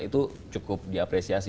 itu cukup diapresiasi